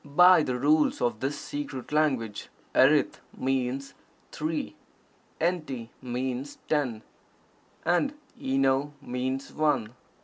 By the rules of this secret language erith means "three," enty means "ten," and eno means "one."